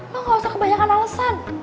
lo nggak usah kebanyakan alesan